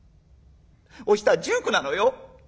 お久は１９なのよ？」。